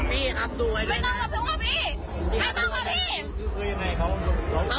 ไม่เดี๋ยวเดี๋ยวพี่เรียกพวกมันมา